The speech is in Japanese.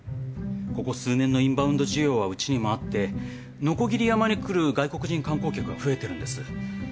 ここ数年のインバウンド需要はうちにもあって鋸山に来る外国人観光客は増えてるんです。